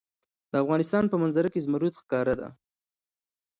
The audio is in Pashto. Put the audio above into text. د افغانستان په منظره کې زمرد ښکاره ده.